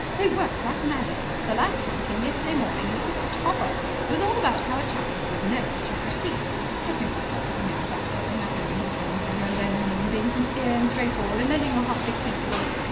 They worked like magic. The last one came yesterday morning, and it was a topper! It was all about how a chappie who was nervous should proceed. Technical stuff, you know, about holding her hand and telling her you're lonely and being sincere and straightforward and letting your heart dictate the rest.